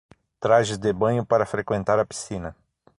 Trajes de banho para frequentar a piscina